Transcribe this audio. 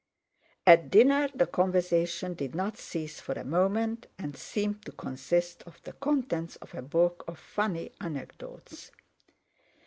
At dinner the conversation did not cease for a moment and seemed to consist of the contents of a book of funny anecdotes.